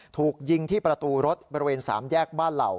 ถูกยิงที่ประตูรถบริเวณ๓แยกบ้านเหล่า